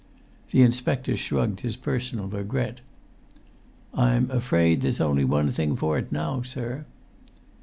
The inspector shrugged his personal regret. "I'm afraid there's only one thing for it now, sir."